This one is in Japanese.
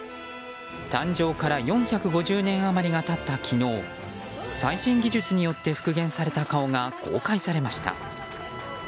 誕生から４５０年余りが経った昨日最新技術によって復元された顔が公開されました。